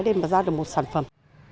để mà ra được một sản phẩm